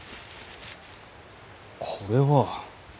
これは。